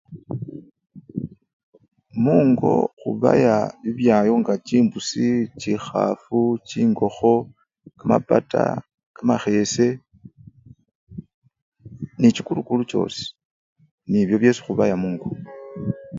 Mugo khubaya bibyayo nga chimbusi, chikhafu, chingokho, kamapata, kamakhese nechikulukulu chosi nebyo byesi khubaya mungo.